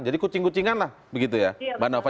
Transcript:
jadi kucing kucingan lah begitu ya